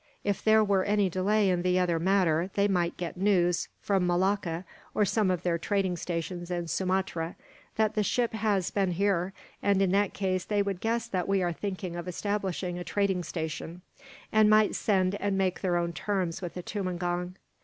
If there were any delay in the other matter, they might get news, from Malacca or some of their trading stations in Sumatra, that the ship has been here and, in that case, they would guess that we are thinking of establishing a trading station, and might send and make their own terms with the tumangong.